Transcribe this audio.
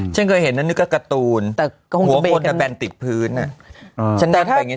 ฉันเคยเห็นนั่นนี่ก็การ์ตูนหัวคนก็แปลนติดพื้น